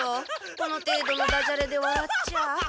この程度のダジャレで笑っちゃ。